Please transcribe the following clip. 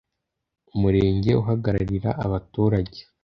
umurenge uhagararira abaturage.